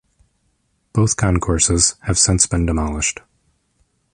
Both concourses have since been demolished.